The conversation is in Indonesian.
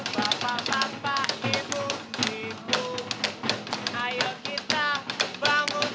karena kita tidak sahur